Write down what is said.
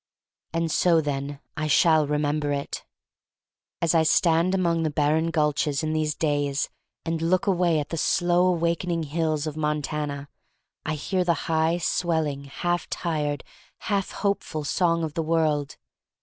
And so then I shall remember it. As I stand among the barren gulches in these days and look away at the slow awakening hills of Montana, I hear the high, swelling, half tired, half hope ful song of the world.